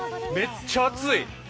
めっちゃ熱い。